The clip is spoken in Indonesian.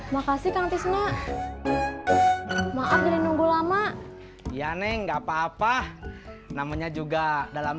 makasih kang tisna maaf jadi nunggu lama ya neng enggak apa apa namanya juga dalam